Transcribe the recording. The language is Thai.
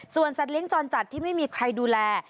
ส่วนสัตว์จรจัดที่ไม่มีใครดูแล